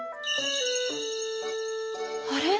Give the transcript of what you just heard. あれ？